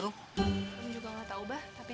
rung juga gak tau bah